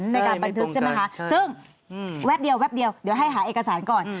ในการบันทึกใช่ไหมคะซึ่งแป๊บเดียวแป๊บเดียวเดี๋ยวให้หาเอกสารก่อน